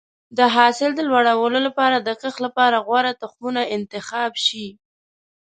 د حاصل د لوړوالي لپاره د کښت لپاره غوره تخمونه انتخاب شي.